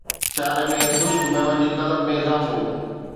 سياري ۾ خشڪ ميون جي طلب ۾ اضافو